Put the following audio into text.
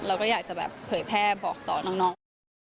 เราก็อยากจะแบบเผยแพร่บอกต่อน้องว่า